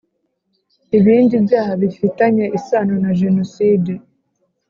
ibindi byaha bifitanye isano na Jenoside